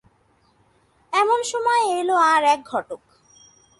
এমন সময়ে এল আর-এক ঘটক।